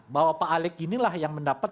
bahwa pak alex inilah yang mendapat